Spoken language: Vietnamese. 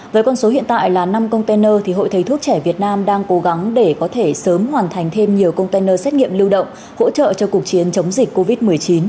với con số hiện tại là năm container thì hội thầy thuốc trẻ việt nam đang cố gắng để có thể sớm hoàn thành thêm nhiều container xét nghiệm lưu động hỗ trợ cho cuộc chiến chống dịch covid một mươi chín